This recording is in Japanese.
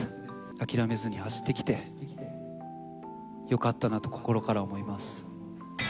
諦めずに走ってきてよかったなと心から思います。